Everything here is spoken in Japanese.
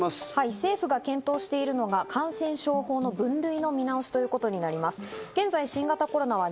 政府が検討しているのが、感染症法の分類の見直しとなります。